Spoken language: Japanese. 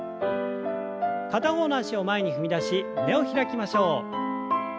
片方の脚を前に踏み出し胸を開きましょう。